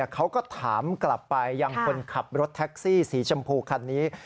เขาก็ถามกลับไปยังคนขับรถแท็กซี่สีชมพูคันนี้